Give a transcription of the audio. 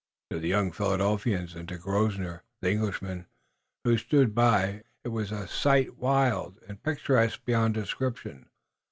To the young Philadelphians and to Grosvenor, the Englishman, who stood by, it was a sight wild and picturesque beyond description.